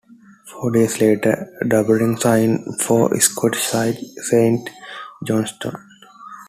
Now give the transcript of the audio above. Four days later, Duberry signed for Scottish side Saint Johnstone.